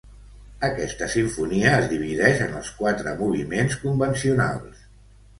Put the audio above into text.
Aquesta simfonia es divideix en els quatre moviments convencionals.